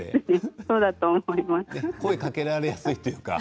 声をかけられやすいというか。